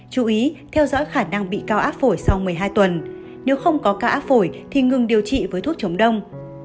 chú ý theo dõi khả năng bị cao áp phổi sau một mươi hai tuần nếu không có ca phổi thì ngừng điều trị với thuốc chống đông